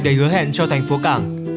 đầy hứa hẹn cho thành phố cảng